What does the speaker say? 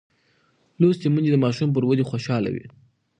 لوستې میندې د ماشوم پر ودې خوشحاله وي.